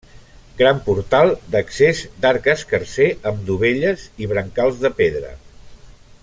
Gran portal d'accés d'arc escarser amb dovelles i brancals de pedra.